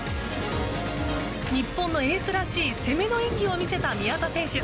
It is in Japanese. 日本のエースらしい攻めの演技を見せた宮田選手。